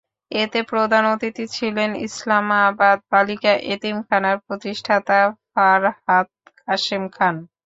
এতে প্রধান অতিথি ছিলেন ইসলামাবাদ বালিকা এতিমখানার প্রতিষ্ঠাতা ফারহাত কাশেম খান।